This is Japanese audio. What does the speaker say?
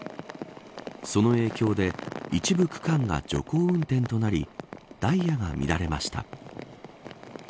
その影響で、一部区間が徐行運転となりダイヤが乱れました。